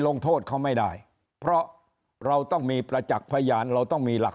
ลงโทษเขาไม่ได้เพราะเราต้องมีประจักษ์พยานเราต้องมีหลัก